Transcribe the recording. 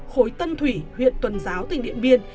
khối tân thủy huyện tuần giáo tỉnh điện biên